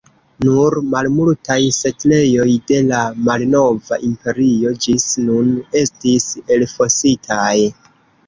Nur malmultaj setlejoj de la Malnova Imperio ĝis nun estis elfositaj.